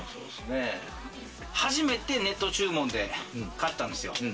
初めてネット注文で買ったんですよ。